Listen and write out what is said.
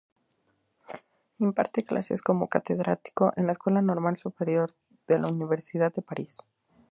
Imparte clases como catedrático en la Escuela Normal Superior de la Universidad de París.